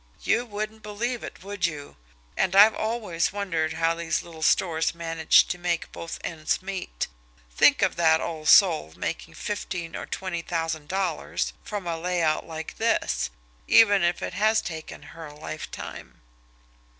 "You wouldn't believe it, would you! And I've always wondered how these little stores managed to make both ends meet. Think of that old soul making fifteen or twenty thousand dollars from a layout like this even if it has taken her a lifetime!"